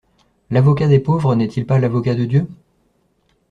L'avocat des pauvres n'est-il pas l'avocat de Dieu?